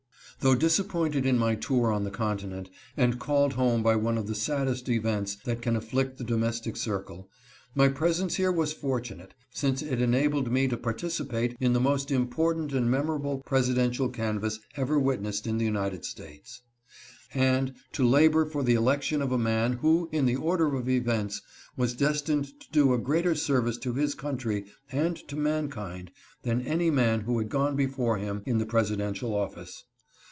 Though disappointed in my tour on the Continent, and called home by one of the saddest events that can afflict the domestic circle, my presence here was fortunate, since it enabled me to participate in the most important and memorable presidential canvass ever witnessed in the United States, and to labor for the election of a man who in the order of events was destined to do a greater service to his country and to mankind than any man who had gone before him in the presidential office.